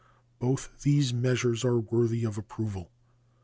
Both these measures are worthy of approval.